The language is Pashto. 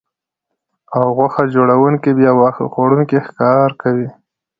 او غوښه خوړونکي بیا واښه خوړونکي ښکار کوي